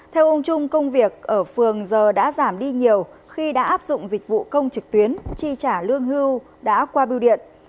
theo ông trung công việc ở phường giờ đã giảm đi nhiều khi đã áp dụng dịch vụ công trực tuyến chi trả lương hưu đã qua biêu điện